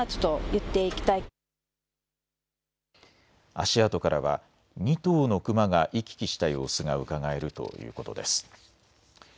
足跡からは２頭のクマが行き来した様子がうかがえるということです。